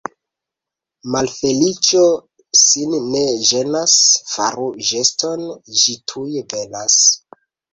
Malfeliĉo sin ne ĝenas, faru geston — ĝi tuj venas.